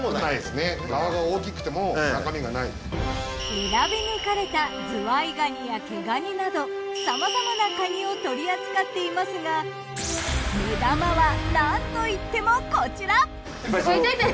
選び抜かれたずわいがにや毛がになどさまざまなかにを取り扱っていますが目玉はなんといってもこちら！